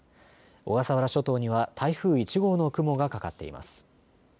小笠原諸島には台風１号の雲がかかっています。